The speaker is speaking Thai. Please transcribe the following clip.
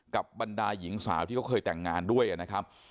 บรรดาหญิงสาวที่เขาเคยแต่งงานด้วยนะครับ